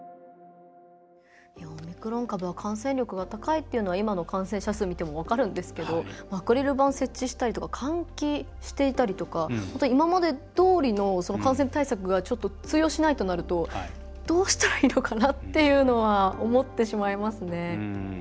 オミクロン株は感染力が高いっていうのは今の感染者数見ても分かるんですけどアクリル板設置したりとか換気していたりとか今までどおりの感染対策がちょっと通用しないとなるとどうしたらいいのかなっていうのは思ってしまいますね。